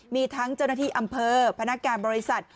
มีทั้งเจ้าหน้าที่อำเภอพนักการบริษัท